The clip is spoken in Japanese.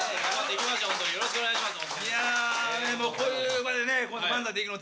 よろしくお願いします。